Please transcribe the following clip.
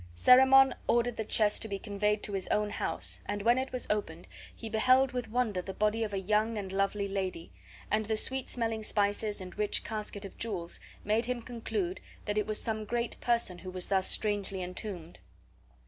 Cerimon ordered the chest to be conveyed to his own house, and when it was opened he beheld with wonder the body of a young and lovely lady; and the sweet smelling spices and rich casket of jewels made him conclude it was some great person who was thus strangely entombed.